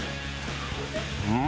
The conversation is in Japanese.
うん！